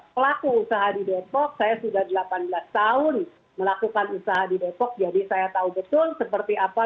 pelaku usaha di depok saya sudah delapan belas tahun melakukan usaha di depok jadi saya tahu betul seperti apa